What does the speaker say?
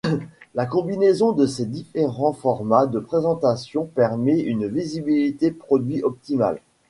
La combinaison de ces différents formats de présentation permet une visibilité produit optimale.